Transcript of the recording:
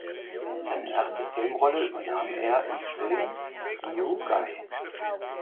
Seine erste Filmrolle übernahm er im Film "New Guy".